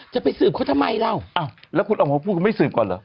จะไปสืบเขาทำไมเราอ้าวแล้วคุณออกมาพูดคุณไม่สืบก่อนเหรอ